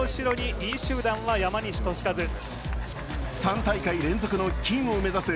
３大会連続の金を目指す